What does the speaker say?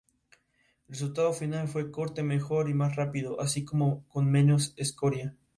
El resultado final fue corte mejor y más rápido, así como con menos escoria.